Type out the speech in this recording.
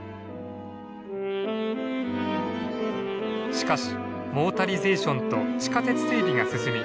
しかしモータリゼーションと地下鉄整備が進み